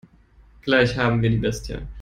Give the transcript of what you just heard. Gleich haben wir die Bestie.